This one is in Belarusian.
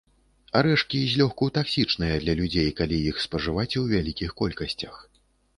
Арэшкі злёгку таксічныя для людзей калі іх спажываць у вялікіх колькасцях.